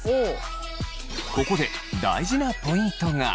ここで大事なポイントが！